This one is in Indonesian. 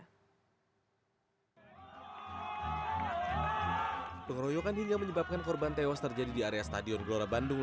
hai pengroyokan hingga menyebabkan korban tewas terjadi di area stadion gelora bandung